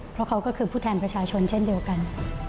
เพราะเขาก็คือผู้แทนประชาชนเช่นเดียวกัน